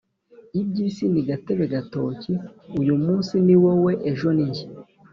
Ibyisi ni gatebe gatoki uyumumnsi niwowe ejo ninjye